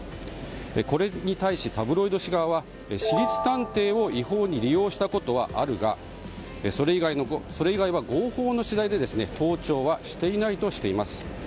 これに対し、タブロイド紙側は私立探偵を違法に利用したことはあるがそれ以外は合法の取材で盗聴はしていないとしています。